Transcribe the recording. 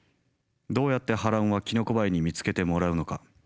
どうやってハランはキノコバエに見つけてもらうのか。